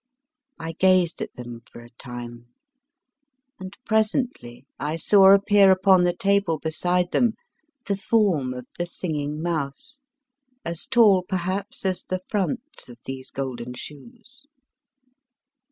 I gazed at them for a time, and presently I saw appear upon the table beside them, the form of the Singing Mouse, as tall perhaps as the fronts of these golden shoes.